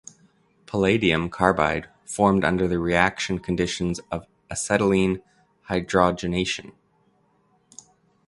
Palladium carbide formed under the reaction conditions of acetylene hydrogenation.